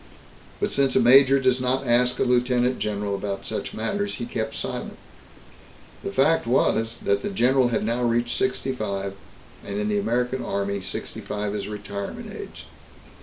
But since a major does not ask a lieutenant general about such matters, he kept silent. The fact was that the general had now reached sixty five, and in the American Army, sixty five is retirement age.